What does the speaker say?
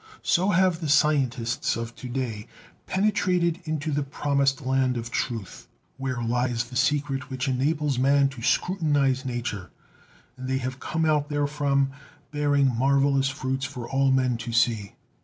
So have the scientists of to day penetrated into the Promised Land of truth, where lies the secret which enables man to scrutinize Nature; and they have come out therefrom, bearing marvelous fruits for all men to see.